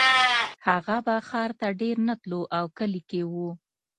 هغه به ښار ته ډېر نه تلو او کلي کې و